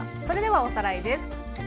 それではおさらいです。